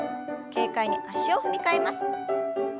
軽快に脚を踏み替えます。